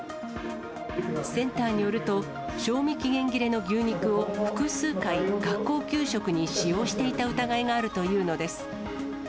センターによると、賞味期限切れの牛肉を複数回、学校給食に使用していた疑いがあるというのです。